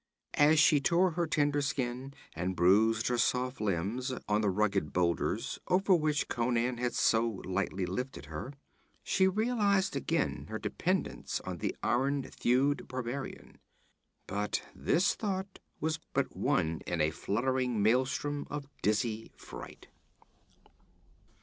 As she tore her tender skin and bruised her soft limbs on the rugged boulders over which Conan had so lightly lifted her, she realized again her dependence on the iron thewed barbarian. But this thought was but one in a fluttering maelstrom of dizzy fright.